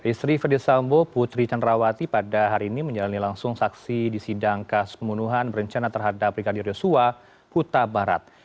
istri ferdisambo putri cenrawati pada hari ini menjalani langsung saksi di sidang kasus pembunuhan berencana terhadap brigadir yosua huta barat